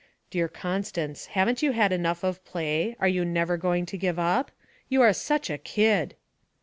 'Dear Constance, haven't you had enough of play, are you never going to grow up? You are such a kid!'